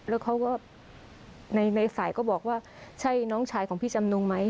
แล้วเขาก็ในฝ่ายก็บอกว่าใช่น้องชายของพี่จำนงไหม